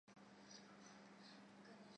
彭宁离子阱。